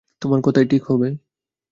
তোমার কথাই ঠিক হবে।